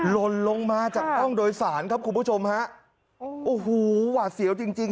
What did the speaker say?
ลนลงมาจากห้องโดยสารครับคุณผู้ชมฮะโอ้โหหวาดเสียวจริงจริง